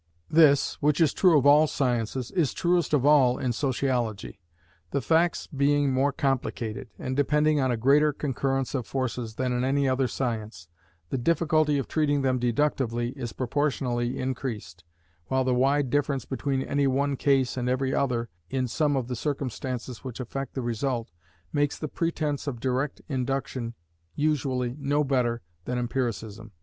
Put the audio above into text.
This, which is true of all sciences, is truest of all in Sociology. The facts being more complicated, and depending on a greater concurrence of forces, than in any other science, the difficulty of treating them deductively is proportionally increased, while the wide difference between any one case and every other in some of the circumstances which affect the result, makes the pretence of direct induction usually no better than empiricism.